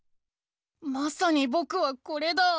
まさにぼくはこれだ。